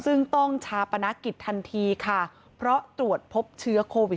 ซึ่งต้องชาปนกิจทันทีค่ะเพราะตรวจพบเชื้อโควิด๑